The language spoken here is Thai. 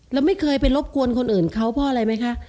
แล้วไม่เคยไปรบกวนคนอื่นเขาเพราะอะไรไหมคะ